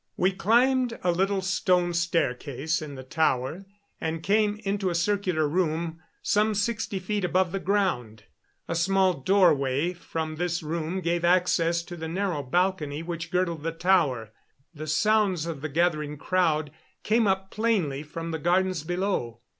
We climbed a little stone staircase in the tower and came into a circular room some sixty feet above the ground. A small doorway from this room gave access to the narrow balcony which girdled the tower. The sounds of the gathering crowd came up plainly from the gardens below.